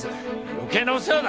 余計なお世話だ。